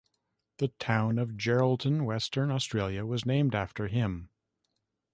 The town of Geraldton, Western Australia was named after him.